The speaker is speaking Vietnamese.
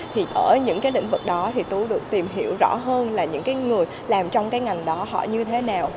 thì ở những cái lĩnh vực đó thì tôi được tìm hiểu rõ hơn là những cái người làm trong cái ngành đó họ như thế nào